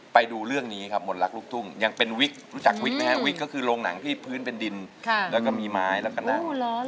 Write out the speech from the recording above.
ไปดูเรื่องนี้ครับมนต์รักลูกทุ่งยังเป็นวิกรู้จักวิกไหมครับวิกก็คือโรงหนังที่พื้นเป็นดินแล้วก็มีไม้แล้วก็นั่ง